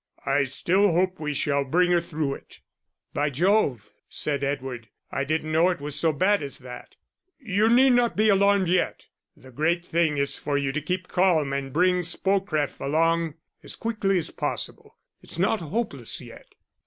I still hope we shall bring her through it." "By Jove," said Edward, "I didn't know it was so bad as that." "You need not get alarmed yet the great thing is for you to keep calm and bring Spocref along as quickly as possible. It's not hopeless yet."